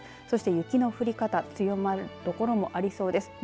そして雪の降り方強まる所もありそうです。